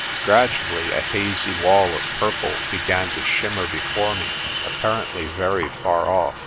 Gradually a hazy wall of purple began to shimmer before me, apparently very far off.